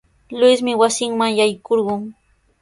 Luismi wasinman yaykurqun.